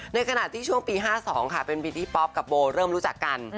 ในขณะที่ช่วงปี๕๒ค่ะเป็นปีที่ป๊อปกับโบเริ่มรู้จักกัน